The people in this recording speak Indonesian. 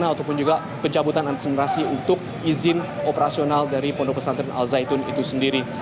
ataupun juga pencabutan akselerasi untuk izin operasional dari pondok pesantren al zaitun itu sendiri